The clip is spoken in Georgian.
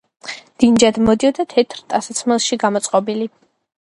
დინჯად მოდიოდა თეთრ ტანსაცმელში გამოწყობილი.